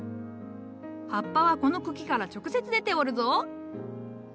葉っぱはこの茎から直接出ておるぞ。